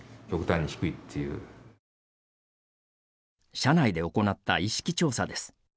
社内で行った意識調査です。